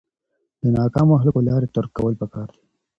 د ناکامو خلکو لارې ترک کول پکار دي.